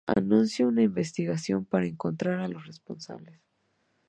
Anunció una investigación para encontrar a los responsables.